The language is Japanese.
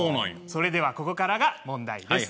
それでは、ここからが問題です。